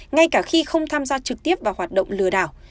ngay cả khi không tham gia trực tiếp vào hoạt động lừa đảo